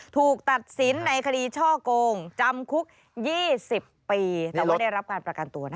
ถูกตัดสินในคดีช่อโกงจำคุก๒๐ปีแต่ว่าได้รับการประกันตัวนะคะ